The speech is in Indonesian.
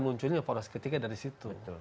munculnya poros ketiga dari situ